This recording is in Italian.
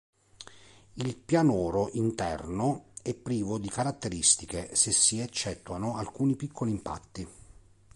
Il pianoro interno è privo di caratteristiche, se si eccettuano alcuni piccoli impatti.